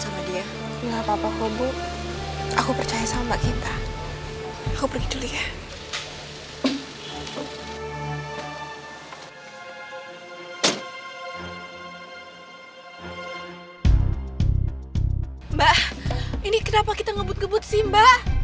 mbak ini kenapa kita ngebut ngebut sih mbak